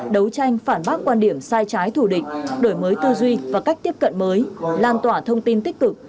đấu tranh phản bác quan điểm sai trái thủ địch đổi mới tư duy và cách tiếp cận mới lan tỏa thông tin tích cực